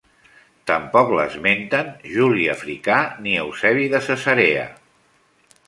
Tampoc l'esmenten Juli Africà ni Eusebi de Cesarea.